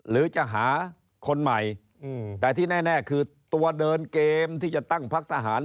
หรือจะหาคนใหม่แต่ที่แน่คือตัวเดินเกมที่จะตั้งพักทหาร